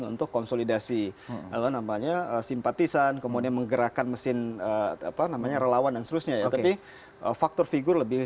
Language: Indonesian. untuk bisa diperbaiki